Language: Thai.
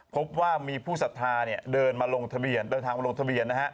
พบว่ามีผู้สัทธาเดินทางมาลงทะเบียน